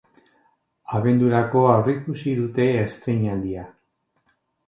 Abendurako aurreikusi dute estreinaldia.